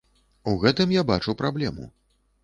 У гэтым я бачу праблему.